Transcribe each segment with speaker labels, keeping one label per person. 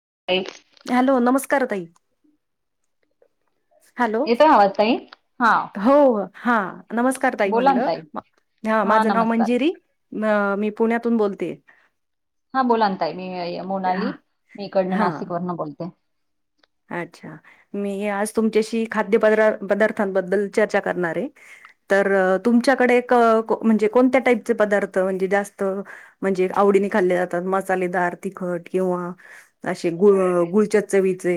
Speaker 1: [unintelligible]
Speaker 2: Hello नमस्कार ताई. Hello
Speaker 1: येतोय आवाज ताई? हा
Speaker 2: हो. हा नमस्कार ताई
Speaker 1: बोला ना
Speaker 2: म्हणलं ह
Speaker 1: हा
Speaker 2: माझं नाव
Speaker 1: नमस्कार.
Speaker 2: मंजिरी, अ मी पुण्यातून बोलतेय
Speaker 1: हा बोलाना ताई मी मोनाली मी इकडनं
Speaker 2: हा
Speaker 1: नाशिक वरन बोलते.
Speaker 2: अच्छा मी आज तुमच्याशी खाद्य पदा -पदार्थांबद्दल चर्चा करणार आहे. तर तुमच्याकडे क म्हजे कोणत्या टाईप पदार्थ म्हणजे जास्त म्हजे आवडीने खाल्ले जातात मसालेदार तिखट किंवा असे गुळ गुळच्या चवीचे.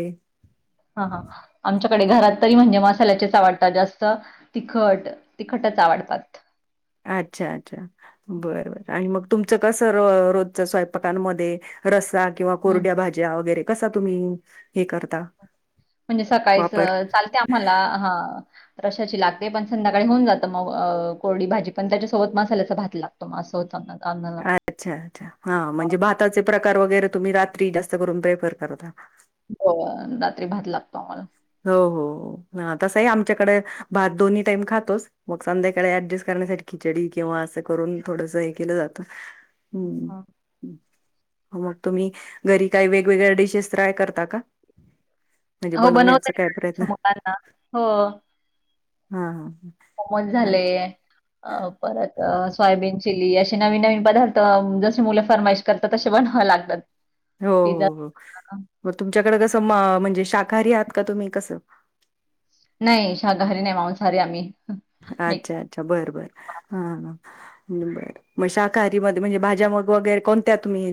Speaker 1: हा हा. आमच्याकडे घरात तरी म्हणजे मसाल्याचेच आवडतात जास्त तिखट तिखटच आवडतात.
Speaker 2: अच्छा अच्छा बरं बर आणि मग - तुमचं कसं रो रोजच्या स्वयंपाकांमध्ये रस्सा किंवा
Speaker 1: हम्म
Speaker 2: कोरड्या भाज्या वगैरे, कसा तुम्ही हे करता.
Speaker 1: म्हणजे सकाळीच
Speaker 2: वापर?
Speaker 1: चालते आम्हाला हा. रशाची लागते पण संध्याकाळी होऊन जातं मग कोरडी भाजी पण त्याच्यासोबत मसाल्याचा भात लागतो मस्त.
Speaker 2: अच्छा अच्छा हा म्हणजे भाताचे प्रकार वगैरे - तुम्ही रात्री जास्त करून प्रेफर करता.
Speaker 1: हो रात्री भात लागतो आम्हाला.
Speaker 2: हो हो ह तंसही आमच्याकडे भात दोन्ही टाईम खातोस मग संध्याकाळी ऍडजस्ट करण्यासाठी [unintelligible] चडी किंवा असं करून थोडस हे केलं जात ह. हो मग तुम्ही घरी काही वेगवेगळ्या डिशेस ट्राय करता का. म्हणजे बनवन्यात.
Speaker 1: मुलाना हो.
Speaker 2: ह ह
Speaker 1: मग झाले परत सोयाबीनचे चिली असे नवीन नवीन पदार्थ जसे मुलं फर्माईश करतात तसे बनवावे लागतात.
Speaker 2: हो
Speaker 1: पिझ्झा
Speaker 2: हो हो मग तुमच्याकडे कसं मा म्हण ण शाकाहांरी आहात का तुम्ही कस.
Speaker 1: नाही शकाहरी न्हाय मौसाहारी आम्ही. मिक्स.
Speaker 2: अच्छा अच्छा बर बर हा हा बर म शाकाहारी म म्हणजे भाज्या मग वगैरे कोणत्या तुम्ही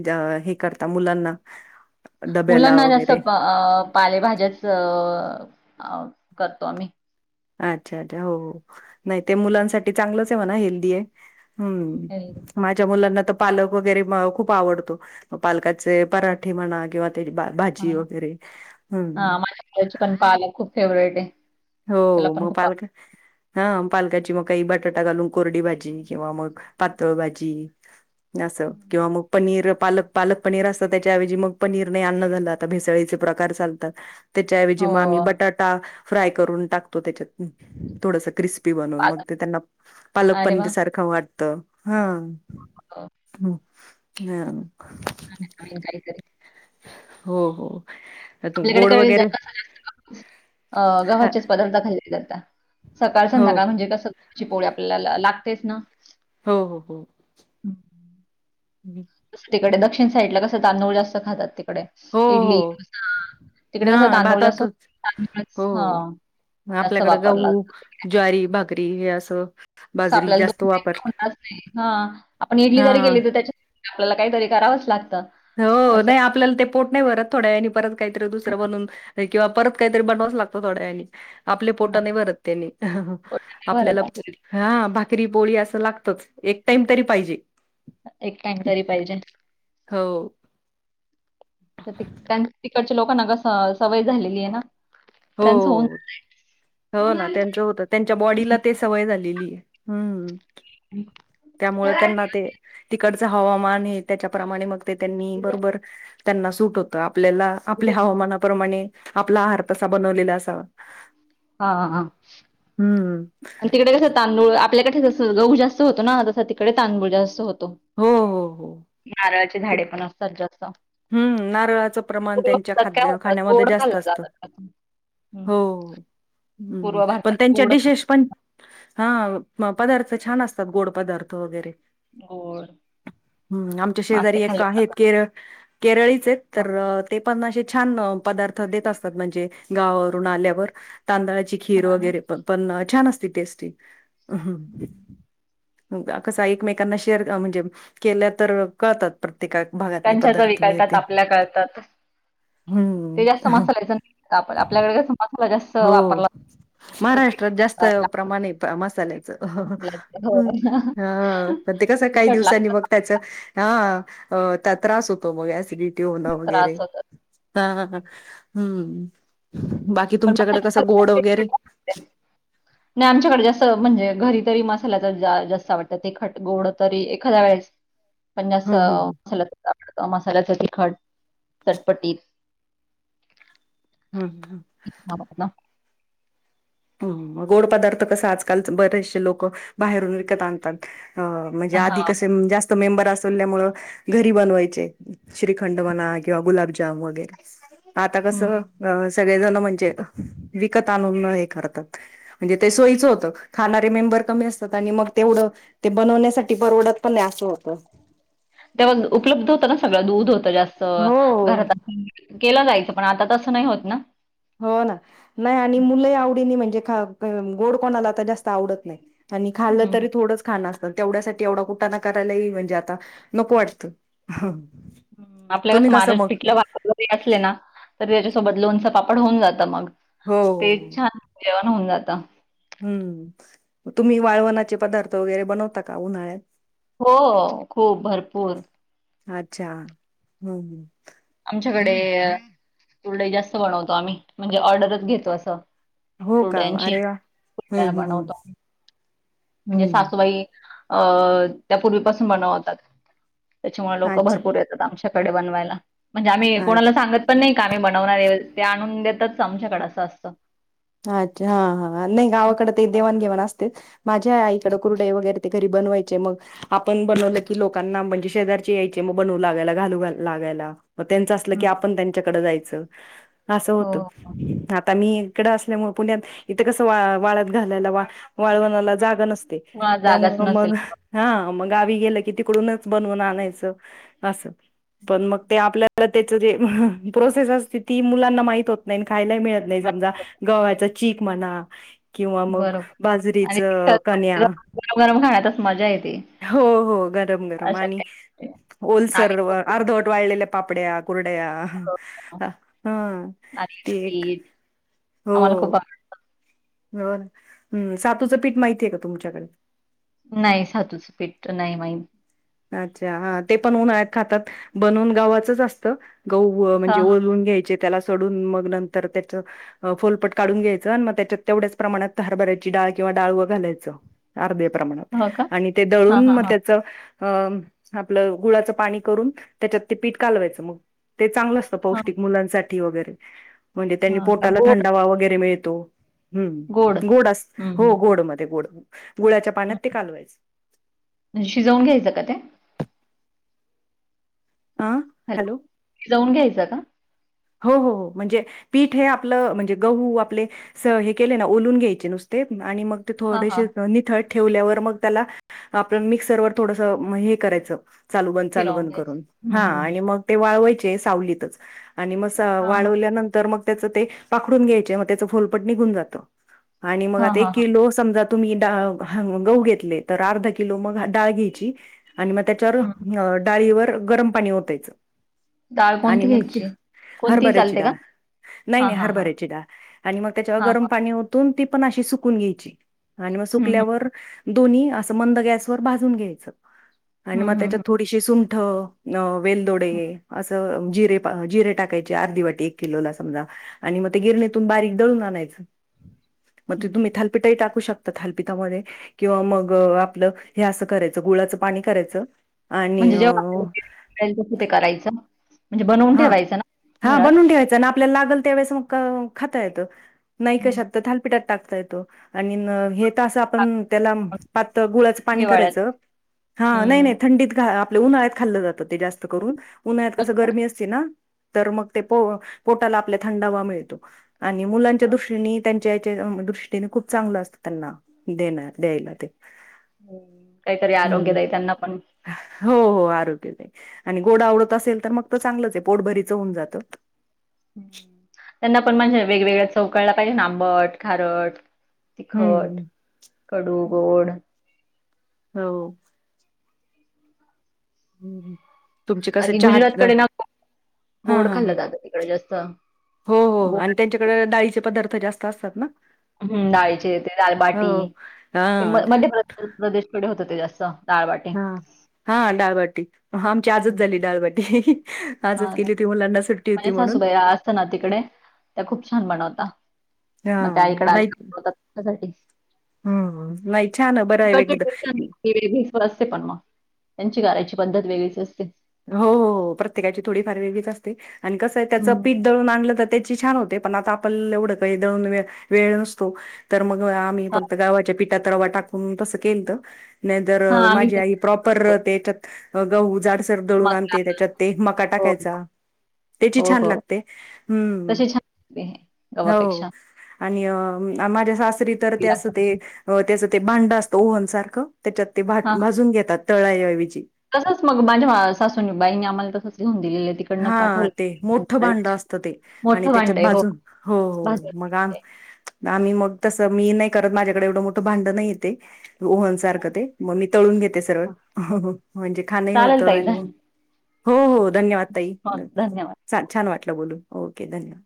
Speaker 2: हे करता मुलांना. [inaudible] डब्याला
Speaker 1: मुलांना जास्ं
Speaker 2: वगैरे?
Speaker 1: पालेभाज्याच अ करतो आम्ही.
Speaker 2: अच्छा अच्छा हो हो नाही ते मुलांसाठी चांगलंच आहे म्हणा हेल्दी आहे.
Speaker 1: हेल्दी
Speaker 2: हम्म माझ्या मुलांना पालक वगैरे खूप आवडतो पालकाचे पराठे म्हणा किंवा त्या बा भाजी
Speaker 1: म्हणा.
Speaker 2: वगैरे हम्म.
Speaker 1: हां, माझ्या मुलाची पण पालक खूप फेव्हरेट आहे. त्याला
Speaker 2: हो
Speaker 1: पण
Speaker 2: मग
Speaker 1: खूप आवडतं.
Speaker 2: पालक हा पालकाची मग काही बटाटा घालून कोरडी भाजी किंवा मग पातळ भाजी - अस किंवा
Speaker 1: हं.
Speaker 2: मग पनीर - पालक पालक पनीर असत त्याच्याऐवजी मग पनीर नाही अन्न झालं आता भेसळीचे प्रकार चालतात. त्याच्याऐवजी मग आम्ही
Speaker 1: हो,
Speaker 2: बटाटा फ्राय करून टाकतो त्याच्यात थोडस क्रिस्पी बनून मग
Speaker 1: पालक.
Speaker 2: ते त्यांना पालक
Speaker 1: अरे
Speaker 2: पनीर
Speaker 1: वाह!
Speaker 2: सारखं वाटत हा.
Speaker 1: [inaudible]
Speaker 2: ह.
Speaker 1: न्हाय नाही काय तरी
Speaker 2: हो हो तू गोड
Speaker 1: आपल्याकडे
Speaker 2: वगैरे,
Speaker 1: अ
Speaker 2: हा,
Speaker 1: गव्हाचेच पदार्थ खा जातात, सकाळ
Speaker 2: हो
Speaker 1: संध्याकाळ म्हणजे कस ची पोळी आपल्याला ला लागतेच ना.
Speaker 2: हो हो हो.
Speaker 1: दुसरीकडे दक्षिण साईड ला कसं तांदूळ जास्त खातात ति कडे
Speaker 2: हो हो
Speaker 1: इडली, डोसा तिकडे कसं
Speaker 2: हा
Speaker 1: तांदूळ जास्त
Speaker 2: भातातच
Speaker 1: तांदूळच हा
Speaker 2: हो आपल्याकडे गहू, ज्वारी भाकरी हे असं
Speaker 1: तस
Speaker 2: बाजरी
Speaker 1: आपल्याला
Speaker 2: जास्त
Speaker 1: दोन टाईम
Speaker 2: वापर
Speaker 1: तर होणारच नाय, हा आपण इडली जरी
Speaker 2: हा.
Speaker 1: केली तर त्याच्या आपल्याला काहीतरी करावच लाग
Speaker 2: हो, नाही आपल्याला ते पोट नाही भरत, थोड्यावेळानी परत काहीतरी दुसरं बनवुन किंवा परत काहीतरी बनवावच लागतं थोड्यावेळानी. आपल्या पोटा
Speaker 1: हां,
Speaker 2: नाय भरत त्यानी,
Speaker 1: पोटात नाही
Speaker 2: आपल्याला
Speaker 1: भरत आपल्या
Speaker 2: हा भाकरी पोळी असं लाग तच एक टाईम तरी पाहिजे.
Speaker 1: एक टाईम तरी पाहिजे.
Speaker 2: हो.
Speaker 1: तर त्या तिकडच्या लोकांना कसं सवय झालेली आहे ना.
Speaker 2: हो
Speaker 1: त्यांचं होऊन
Speaker 2: हो हो, हो ना त्यांचं होतं त्यांच्या बॉडीला ते सवय झालेली. हम्म. त्यामुळे त्यांना ते तिकडचं हवामान हे त्याच्याप्रमाणे मग ते त्यांनी बरोबर त्यांना सूट होतं, आपल्याला आपल्या हवामानाप्रमाणे आपला आहार तसा बनवलेला असावा.
Speaker 1: हा हा.
Speaker 2: हम्म
Speaker 1: अन तिकडे कसं तांदूळ आपल्याकडे कसं गहू जास्त होतो ना तसं तिकडे तांदूळ जास्त होत तो
Speaker 2: हो हो हो
Speaker 1: नारळाचे
Speaker 2: ते-
Speaker 1: झाडे पण असतात जास्त.
Speaker 2: हम्म, नारळाचं प्रमाण
Speaker 1: पूर्व
Speaker 2: त्यांच्या
Speaker 1: भारतात काय
Speaker 2: खाद्य
Speaker 1: होतात
Speaker 2: खाण्यामध्ये
Speaker 1: गोड
Speaker 2: जास्त
Speaker 1: खाल्लं
Speaker 2: असतं.
Speaker 1: जातं त्यातून. हं.
Speaker 2: हो, हम्म
Speaker 1: पूर्व
Speaker 2: पण
Speaker 1: भारतात
Speaker 2: त्यांच्या
Speaker 1: गोड खातात
Speaker 2: डिशेस पण हां म पदार्थ छान असतात गोड पदार्थ वगैरे
Speaker 1: गोड
Speaker 2: [inaudible] हम्म आमच्या
Speaker 1: मासे
Speaker 2: शेजारी एक
Speaker 1: खाल्ले
Speaker 2: आहेत
Speaker 1: जातात.
Speaker 2: केर केरळीचे आहेत
Speaker 1: हां,
Speaker 2: तर ते पण अशी छान पदार्थ देत असतात म्हणजे गावावरून आल्यावर. तांदळाची खीर
Speaker 1: हां ना.
Speaker 2: वगैरे प पण छान असते टेस्टी.
Speaker 1: हम्म.
Speaker 2: [unintelligible] कसं एकमेकांना शेअर अ म्हणजे केलं तर कळतात प्र
Speaker 1: त्यांच्या [unintelligible] कळतात आपल्या कळतात. ते जास्त
Speaker 2: हम्म
Speaker 1: मसाल्याचं नाही आपण आपल्याकडे कसं मसाला जास्त
Speaker 2: हो
Speaker 1: वापरला जातो. प्रत्येक
Speaker 2: महाराष्ट्रात जास्त
Speaker 1: पदार्थात लागतो
Speaker 2: प्रमाण आहे मसाल्याचं.
Speaker 1: मसाल्याचा हो.
Speaker 2: हां पण ते कसं काही
Speaker 1: तिखट लागतं
Speaker 2: दिवसांनी मग त्याचं हां हां अ ता त्रास होतो मग ऍसिडिटी होणं वगैरे
Speaker 1: त्रास होतो.
Speaker 2: हम्म. की
Speaker 1: पण
Speaker 2: तुमच्याकड
Speaker 1: मसाले
Speaker 2: कसं
Speaker 1: खाल्ल्याने
Speaker 2: गोड वगैरे
Speaker 1: चिडचिड पण त म्हणजे घरी तरी मसाल्याचं ज जास्त आवडतं तिखट गोड तरी एखाद्या वेळेस पण
Speaker 2: हम्म हम्म
Speaker 1: असं [unintelligible] अ मसाल्याचं तिखट, चटपटीत
Speaker 2: हम्म. हम्म गोड पदार्थ कसं आजकालच बरेचशे लोकं बाहेरून विकत आणतात. म्हणजे आधी
Speaker 1: हां.
Speaker 2: कसे जास्त मेंबर असल्यामुळं घरी बनवायचे. श्रीखंड म्हणा किंवा गुलाबजाम वगैरे आता
Speaker 1: हं.
Speaker 2: कसं अ सगळेजण म्हण जे विकत आणून हे करतात म्हणजे ते सोयीचं होतं खाणारे मेंबर कमी असतात आणि मग तेवढं ते बनवण्यासाठी परवडत पण नाही असं होतं.
Speaker 1: तेव्हा उपलब्ध होतं ना सगळं, दूध होत जास्त
Speaker 2: हो
Speaker 1: घरात [unintelligible] केलं जायचं पण आता तसं नाही होत ना.
Speaker 2: हो ना, नाही आणि मुलं ही आवडीनी म्हणजे खा गोड कोणाला आता जास्त आवडत नाही. आणि खाल्लं
Speaker 1: हं, हं.
Speaker 2: तरी थोडंच खाणार. तर तेवढ्यासाठी एवढा कुटाणा करायलाही म्हणजे आता नको वाटतं.
Speaker 1: हम्म, आपल्या
Speaker 2: तुम्ही कसं
Speaker 1: [unintelligible]
Speaker 2: मग
Speaker 1: पिठलं भाकर जरी असले ना तर सोबत लोणचं पापड होऊन जातं मग.
Speaker 2: हो
Speaker 1: ते छान जेवण होऊन जातं.
Speaker 2: हम्म, म तुम्ही वाळवणाचे पदार्थ वगैरे बनवता का उन्हाळ्यात?
Speaker 1: हो हो, खूप भरपूर.
Speaker 2: अच्छा, हम्म हम्म.
Speaker 1: आमच्याकडे अ कुरडई जास्त बनवतो आम्ही, म्हणजे ऑर्डरच घेतो असं.
Speaker 2: हो का
Speaker 1: कुरड्यांची,
Speaker 2: अरे वा
Speaker 1: कुरडया
Speaker 2: हम्म हम्म हम्म
Speaker 1: बनवतो आम्ही. म्हणजे
Speaker 2: हम्म
Speaker 1: सासूबाई अं त्या पूर्वीपासून बनवतात. त्याच्यामुळे लोकं
Speaker 2: अच्छा
Speaker 1: भरपूर येतात आमच्याकडे बनवायला, म्हणजे आम्ही
Speaker 2: अच्छा
Speaker 1: कोणाला सांगत पण नाही. का आम्ही बनवणार आहे, ते आणून देतात आमच्याकडं असं असतं.
Speaker 2: अच्छा, हा हा नाही गावाकडे ते देवाणघेवाण असतेत, माझ्याही आईकडं कुरडई वगैरे ते घरी बनवायचे मग, आपण बनवले की
Speaker 1: हम्म
Speaker 2: लोकांना म्हणजे शेजारचे यायचे म बनवू लागायला घालू ग लागायला, म त्यांचं असलं की आपण त्यांच्याकडं जाय च असं
Speaker 1: हो
Speaker 2: होतं,
Speaker 1: हो
Speaker 2: आता मी इकडं असल्यामुळे पुण्यात, इथे कसं वा वाळत घालायला वा वाळवणाला जागा नस स्ते
Speaker 1: कोणाला जागाच
Speaker 2: त्यामुळे
Speaker 1: नसेल
Speaker 2: मग, हा. मग गावी गेलं की तिकडूनच बनवून आणायचं असं, पण मग ते आपल्या ला त्याचं जे प्रोसेस असते ती मुलांना माहीत होत नाही खायलाही मिळत नाही समजा [unintelligible] चिक म्हणा, किंवा मग
Speaker 1: बरोबर आणि
Speaker 2: बाजरीचं
Speaker 1: तिखट
Speaker 2: कन्या
Speaker 1: गरम [unintelligible]
Speaker 2: हो हो गरम-गरम
Speaker 1: अशा
Speaker 2: आणि
Speaker 1: काही
Speaker 2: ओलसर व
Speaker 1: नागलीचं पीठ
Speaker 2: अर्धवट वाळलेल्या पापड्या कुर ड्या हां हं
Speaker 1: नागलीचं
Speaker 2: केक
Speaker 1: पीठ
Speaker 2: हो.
Speaker 1: आम्हाला खूप
Speaker 2: बर हम्म सातूचं पीठ माहितीय का तुमच्याकडे?
Speaker 1: नाही सातूचं पीठ नाही माहित.
Speaker 2: अच्छा हां ते पण उन्हाळ्यात खातात बनवून गव्हाचच असतं. गहू म्हणजे
Speaker 1: हां, हां.
Speaker 2: ओलवून घ्यायचे. त्याला सोडून मग नंतर त्याचं अ फोलपट काढून घ्यायचं आणि त्याच्यात तेवढ्याच प्रमाणात हरभऱ्याची डा ळ किंवा डाळवं घालायचं अर्ध्या प्रमाणात
Speaker 1: हो का?
Speaker 2: आणि ते
Speaker 1: हां,
Speaker 2: दळून
Speaker 1: हां,
Speaker 2: मग
Speaker 1: हां.
Speaker 2: त्याचं अ आपलं गुळाचं पाणी करून त्याच्यात ते पीठ कालवायचं मग ते चांगलं असतं
Speaker 1: हां,
Speaker 2: पौष्टिक मुलांसाठी वगैरे म्हणजे त्यांनी
Speaker 1: हां. का
Speaker 2: पोटाला
Speaker 1: गोड
Speaker 2: थंडावा वगैरे मिळ तो हम्म गोड अस
Speaker 1: हं,
Speaker 2: हो
Speaker 1: हं.
Speaker 2: गोडमध्ये गोड. गुळाच्या पाण्यात
Speaker 1: हं.
Speaker 2: ते कालवायचं.
Speaker 1: काय ते?
Speaker 2: अ हॅलो
Speaker 1: [unintelligible] भिजवून घ्यायचं का?
Speaker 2: हो हो हो. म्हणजे पीठ हे आपलं म्हणजे गहू आपले स हे केले ना ओलून घ्यायचे नुसते. आणि मग ते
Speaker 1: हां, हां.
Speaker 2: थोडेसे अ निथळ ठेवल्यावर मग त्याला आपण मिक्सरवर थोडसं म हे करायचं. चालू बंद चालू
Speaker 1: फिरवून
Speaker 2: बंद
Speaker 1: घ्यायचं.
Speaker 2: करून
Speaker 1: हं,
Speaker 2: हां
Speaker 1: हं, हं.
Speaker 2: आणि मग ते वाळवायचे सावलीतच. आणि म स
Speaker 1: हां, हां.
Speaker 2: वाळवल्यानंतर मग त्याचं ते पाखडून घ्यायचे मग त्याचं फोलपट निघून जातं. आणि मग
Speaker 1: हां,
Speaker 2: आता एक
Speaker 1: हां, हां.
Speaker 2: किलो समजा तुम्ही [unintelligible] गहू घेतलेतर अर्धा किलो मग डाळ घ्यायची आणि मग
Speaker 1: हं, हं.
Speaker 2: त्याच्यावर डाळीवर गरम पाणी ओतायचं.
Speaker 1: डाळ
Speaker 2: आणि
Speaker 1: कोणती
Speaker 2: मग ती
Speaker 1: घ्यायची? कोणतीही
Speaker 2: हरभऱ्याची
Speaker 1: चालते का?
Speaker 2: डाळ, नाही!
Speaker 1: हां,
Speaker 2: नाही!
Speaker 1: हां, हां.
Speaker 2: हरभऱ्याची डाळ आणि मग त्याच्यावर
Speaker 1: हां,
Speaker 2: गरम
Speaker 1: हां.
Speaker 2: पाणी ओतून म ती पण अशी सुकून घ्यायची आणि
Speaker 1: हं, हं.
Speaker 2: सुकल्यावर दोन्ही असं मंद गॅसवर भाजून घ्यायचं, आणि म
Speaker 1: हं, हं,
Speaker 2: त्याचा
Speaker 1: हं.
Speaker 2: थोडीशी सुंठ वेलदोडे असं जिरे, जिरे टाकायचे अर्धी वाटी एक किलोला समजा. आणि म ते
Speaker 1: हं,
Speaker 2: गिरणीतून बारीक दळून आणायचं म ती तुम्ही
Speaker 1: हं.
Speaker 2: थालपिठ ही टाकू शक थालपिता मधे किंवा मग आपलं हे असं करायचं गुळाचं पाणी करायचं. आणि
Speaker 1: म्हणजे जेव्हा
Speaker 2: अं,
Speaker 1: [inaudible] तस ते करायचं. म्हणजे बनवून
Speaker 2: हा
Speaker 1: ठेवायचं ना
Speaker 2: हा
Speaker 1: घरात?
Speaker 2: बनून ठेवायचं आणि आपल्याला लागल त्यावेेळेस मग खात येतं. नाही
Speaker 1: हं.
Speaker 2: कशात त थालपीटात टाकता येतो आणि न हे त असं पन त्यालाम पातळ गुळाच पाणी
Speaker 1: हिवाळ्यात.
Speaker 2: करायचं हा नाही नाही
Speaker 1: हं.
Speaker 2: थंडीत घा आपल्या उन्हाळ्यात खाल्लं जातं ते जास्त करून उन्हाळ्यात कसं गरमी असते ना. तर मग ते प पोटाला आपल्या थंडावा मिळतो आणि मुलांच्या दृष्टीने त्यांच्या याच्या च्या दृष्टीनं खूप चांगलं असतं त्यांना देण द्यायला ते.
Speaker 1: हम्म, काहीतरी
Speaker 2: हम्म
Speaker 1: आरोग्यदायी त्यांना पण
Speaker 2: हो हो आ [unintelligible] आणि गोड आवडत असेल तर मग त चांगलच आहे पोटभरीच होऊ जात
Speaker 1: हम् त्यांना पण म्हणजे वेगवेगळ्या चव कळल्या पाहिजे ना आंबट खारट. तिखट
Speaker 2: हम्म
Speaker 1: कडू गोड.
Speaker 2: हो. हम हम तुमचे कसे
Speaker 1: बाकी
Speaker 2: चहात
Speaker 1: गुजरातकडे ना
Speaker 2: हा
Speaker 1: गोड खाल्लं
Speaker 2: हा.
Speaker 1: जातं तिकडे जास्त.
Speaker 2: हो हो
Speaker 1: गोड
Speaker 2: अन् त्यांच्याकडे डाळीचे पदार्थ जास्त असतात ना.
Speaker 1: हम्म डाळीचे ते दालबाटी
Speaker 2: हो.
Speaker 1: ते म
Speaker 2: हां,
Speaker 1: मध्य प्रदेशकडे होत ते जास्त. दाळबाटी.
Speaker 2: हा हां डाळबाटी अहो आमची आजच
Speaker 1: हं.
Speaker 2: झाली डाळबाटी. आजच केली ती मुलांना सुट
Speaker 1: माया सासूबाई असत ना तिकडे त्या खूप छान बनवता. म त्या
Speaker 2: हां,
Speaker 1: इकड
Speaker 2: नाही
Speaker 1: आल्या [inaudible] [inaudible]
Speaker 2: हं, नाही छान आहे बरं आहे एकदा
Speaker 1: असे पण मग. त्यांची करायची पद्धत वेगळीच असते.
Speaker 2: हो हो हो प्रत्येकाची थोडी फार वेगळीच असते आणि कसं आहे त्याचं
Speaker 1: हं.
Speaker 2: पीठ दळून आणलं का त्याची छान होते पण आता आपल एवढं काही दळून वेळ वेळ नसतो तर मग होय आम्ही
Speaker 1: हां,
Speaker 2: फक्त गव्हाच्या पिठात रवा टाकून तसं केलत. नाही जर
Speaker 1: हां आम्ही
Speaker 2: माझी
Speaker 1: पण
Speaker 2: आई प्रॉपर
Speaker 1: खातो.
Speaker 2: तेच्यात गहू जाड र दळूण
Speaker 1: मका
Speaker 2: आणते त्याच्यात ते मका
Speaker 1: हो,
Speaker 2: टाकायचा. त्याची
Speaker 1: हो,
Speaker 2: छान
Speaker 1: हो.
Speaker 2: लागते हम्म
Speaker 1: तशी छान लागते
Speaker 2: हो.
Speaker 1: गव्हापेक्षा
Speaker 2: आणि माझ्या सासरी तर ते
Speaker 1: तिला
Speaker 2: अस ते त्याचं ते त्याचं ते भांड असतं ओव्हन सारखं. त्याच्यात ते भाट
Speaker 1: हां.
Speaker 2: भाजून घेतात तळाय ऐवजी.
Speaker 1: तसंच मग माझ्या सासूनी बाईनी आम्हाला तसंच लिहून दिलेलं आहे तिकडनं
Speaker 2: हा
Speaker 1: पाठवलं
Speaker 2: ते मोठ भांड असतं ते आणि
Speaker 1: मोठं भांड
Speaker 2: त्याच्यात
Speaker 1: आहे हो.
Speaker 2: बाजून हो हो
Speaker 1: भाजून
Speaker 2: मग अ.
Speaker 1: घेतलंय.
Speaker 2: आम्ही मग तसं मी नाही करत माझ्याकडे एवढं मोठं भांड नाहीये ते ओव्हन सारखं ते- तळून घेते सरळ
Speaker 1: हां,
Speaker 2: म्हणजे खाण होत
Speaker 1: चालेल ताई
Speaker 2: आणि
Speaker 1: धन
Speaker 2: हो हो धन्यवाद. ताई
Speaker 1: हो धन्यवाद.
Speaker 2: चा छान वाटलं बोलून ओके धन्यवाद.